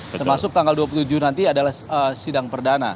termasuk tanggal dua puluh tujuh nanti adalah sidang perdana